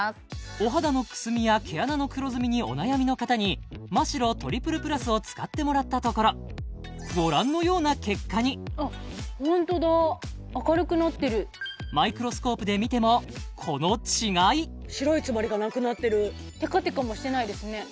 お肌のくすみや毛穴の黒ずみにお悩みの方にマ・シロトリプルプラスを使ってもらったところご覧のような結果にホントだ明るくなってるマイクロスコープで見てもこの違い白い詰まりがなくなってるテカテカもしてないですね